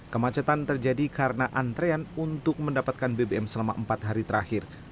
kemacetan terjadi karena antrean untuk mendapatkan bbm selama empat hari terakhir